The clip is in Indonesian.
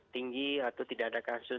tinggi atau tidak ada kasus